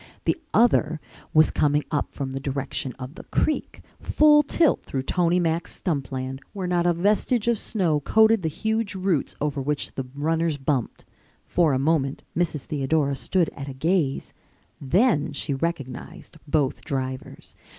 The other was coming up from the direction of the creek, full tilt through Tony Mack's stump land, where not a vestige of snow coated the huge roots over which the runners bumped. For a moment Mrs. Theodora stood at a gaze. Then she recognized both drivers.